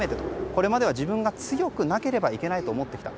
これまでは自分が強くなければいけないと思ってきた。